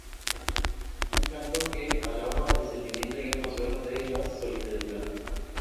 Un canto que alaba el sentimiento y el consuelo de la solidaridad.